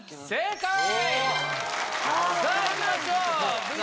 正解！